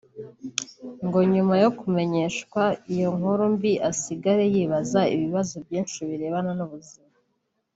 ngo nyuma yo kumenyeshwa iyo nkuru mbi asigare yibaza ibibazo byinshi birebana n’ubuzima